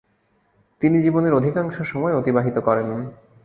তিনি জীবনের অধিকাংশ সময় অতিবাহিত করেন।